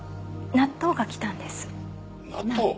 納豆？